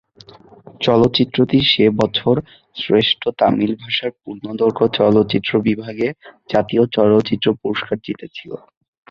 চলচ্চিত্রটি সে বছর "শ্রেষ্ঠ তামিল ভাষার পূর্ণদৈর্ঘ্য চলচ্চিত্র" বিভাগে জাতীয় চলচ্চিত্র পুরস্কার জিতেছিল।